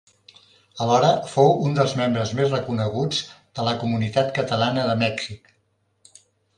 Alhora, fou un dels membres més reconeguts de la comunitat catalana de Mèxic.